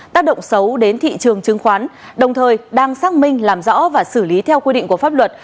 tác động xấu đến thị trường chứng khoán đồng thời đang xác minh làm rõ và xử lý theo quy định của pháp luật